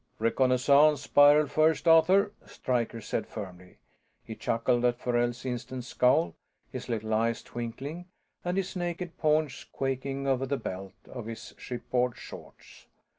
"Reconnaissance spiral first, Arthur," Stryker said firmly. He chuckled at Farrell's instant scowl, his little eyes twinkling and his naked paunch quaking over the belt of his shipboard shorts.